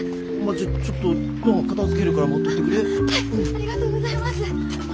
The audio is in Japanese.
ありがとうございます。